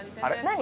何？